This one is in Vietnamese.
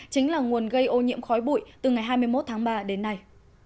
chính là nguồn gây ô nhiễm khói bụi từ ngày hai mươi một tháng ba đến nay